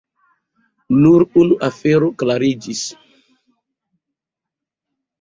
Nur unu afero klariĝis.